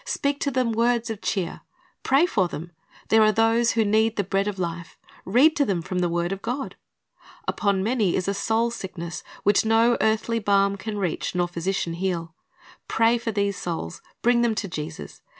Speak to them words of cheer. Pray for them. There are those who need the bread of life. Read to them from the word of God. Upon many is a soul sickness which no earthly balm can reach nor physician heal. Pray for these souls, bring them to Jesus.